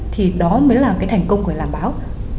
thì đó mới là cái thành công của làm báo